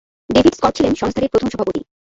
David Scott ছিলেন সংস্থাটির প্রথম সভাপতি।